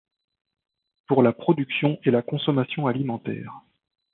pour la production et la consommation alimentaires